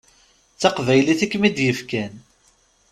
D taqbaylit i kem-id-yefkan.